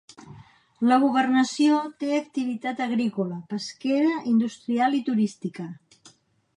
La governació té activitat agrícola, pesquera, industrial i turística.